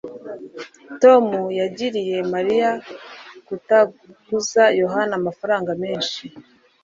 tom yagiriye mariya kutaguza yohana amafaranga menshi